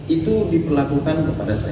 itu diperlakukan kepada saya